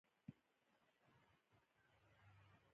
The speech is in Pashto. ایا زه باید خفه شم؟